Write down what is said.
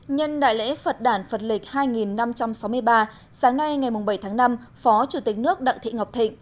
nhân đại lễ phật đàn phật lịch hai năm trăm sáu mươi ba sáng nay ngày bảy tháng năm phó chủ tịch nước đặng thị ngọc thịnh